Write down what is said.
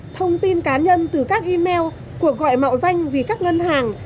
thông tin cá nhân từ các email cuộc gọi mạo danh vì các ngân hàng